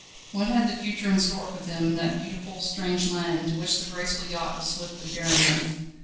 What had the future in store for them, in that beautiful, strange land to which the graceful yacht was swiftly bearing them?